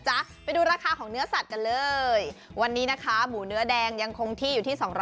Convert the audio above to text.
ไปดูราคาของเนื้อสัตว์กันเลยวันนี้นะคะหมูเนื้อแดงยังคงที่อยู่ที่๒๐๐